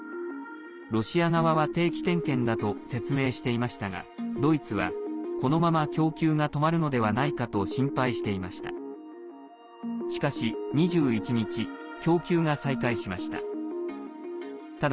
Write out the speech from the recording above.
ロシア側は定期点検だと説明していましたがドイツは、このまま供給が止まるのではないかと心配していました。